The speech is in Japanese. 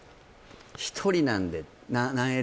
「１人なんで」